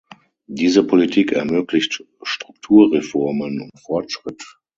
Diese Politik ermöglicht Strukturreformen und Fortschritt.